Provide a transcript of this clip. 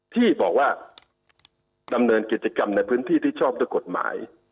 ที่บอกว่าดำเนินกิจกรรมในพื้นที่ที่ชอบด้วยกฎหมาย